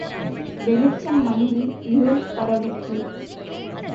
வெளிச்சம் மங்கி இருள் பரவிற்று.